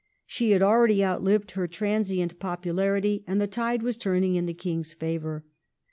She had already outlived her transient popu larity, and the tide was turning in the King's favour.